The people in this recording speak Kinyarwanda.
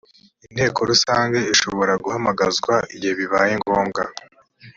inteko rusange ishobora guhamagazwa igihe bibaye ngombwa